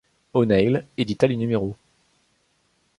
O'Neil édita les numéros.